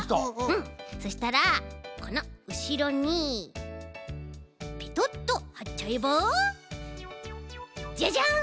そうしたらこのうしろにペトッとはっちゃえばじゃじゃん！